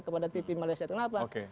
kepada tv malaysia kenapa